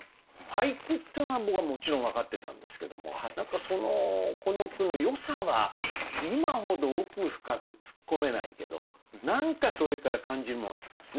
俳句っていうのは僕はもちろん分かってたんですけども何かこの句のよさは今ほど奥深く突っ込めないけど何かそれから感じるものがあったんですね。